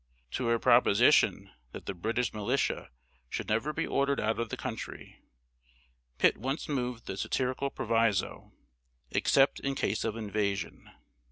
To a proposition, that the British militia should never be ordered out of the country, Pitt once moved the satirical proviso, "Except in case of invasion."